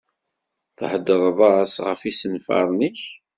Thedreḍ-as ɣef yisenfaṛen-ik?